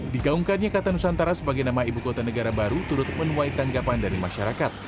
digaungkannya kata nusantara sebagai nama ibu kota negara baru turut menuai tanggapan dari masyarakat